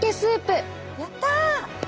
やった！